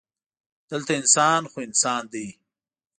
دلته انسان خو انسان دی.